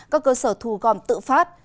có cơ sở thu gom tự phát